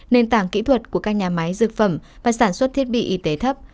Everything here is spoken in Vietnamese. nền tảng kỹ thuật của các nhà máy dược phẩm và sản xuất thiết bị y tế thấp